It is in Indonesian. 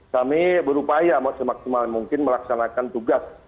kami berupaya semaksimal mungkin melaksanakan tugas